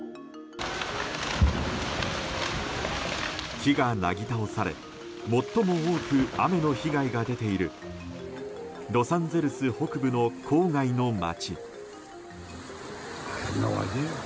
木がなぎ倒され最も多く雨の被害が出ているロサンゼルス北部の郊外の街。